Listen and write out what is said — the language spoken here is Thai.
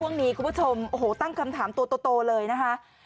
พรุ่งนี้คุณผู้ชมตั้งคำถามโตโตเลยนะฮะ